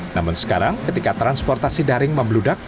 namun sekarang ketika transportasi daring membludak